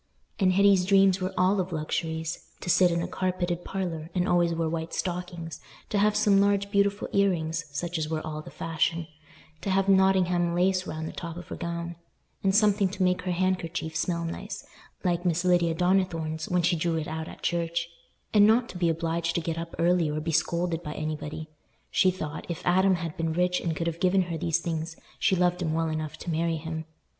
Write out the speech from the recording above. And Hetty's dreams were all of luxuries: to sit in a carpeted parlour, and always wear white stockings; to have some large beautiful ear rings, such as were all the fashion; to have Nottingham lace round the top of her gown, and something to make her handkerchief smell nice, like Miss Lydia Donnithorne's when she drew it out at church; and not to be obliged to get up early or be scolded by anybody. She thought, if Adam had been rich and could have given her these things, she loved him well enough to marry him.